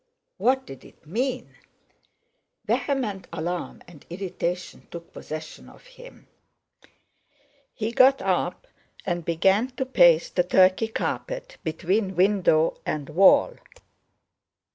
What did it mean? Vehement alarm and irritation took possession of him. He got up and began to pace the Turkey carpet, between window and wall.